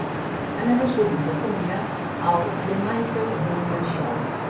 Anava sovint de convidat al "The Mike Douglas Show".